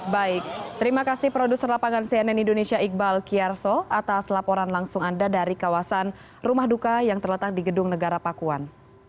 baik terima kasih produser lapangan cnn indonesia iqbal kiyarso atas laporan langsung anda dari kawasan rumah duka yang terletak di gedung negara pakuan